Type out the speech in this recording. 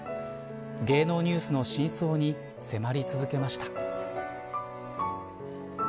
芸能ニュースの真相に迫り続けました。